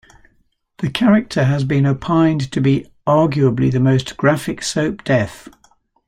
The character has been opined to be "arguably the most graphic soap death".